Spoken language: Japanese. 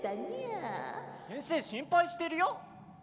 先生心配してるよ。